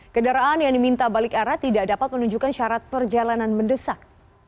kendaraan yang diminta balik arah tidak dapat menunjukkan syarat perjalanan mendesak